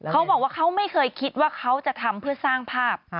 เขาบอกว่าเขาไม่เคยคิดว่าเขาจะทำเพื่อสร้างภาพ